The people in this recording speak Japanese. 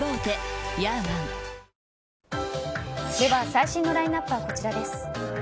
最新のラインアップはこちらです。